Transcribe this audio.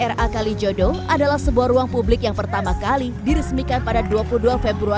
rt dan rpri kali jodoh adalah sebuah ruang publik yang pertarungan dengan kehidupan sosial dan keuntungan sosial dan keuntungan komunitas